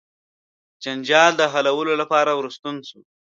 جنجال د حلولو لپاره ورستون سو.